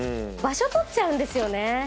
場所取っちゃうんですよね！